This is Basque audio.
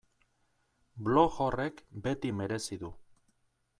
Blog horrek beti merezi du.